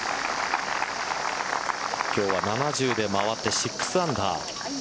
今日は７０で回って６アンダー。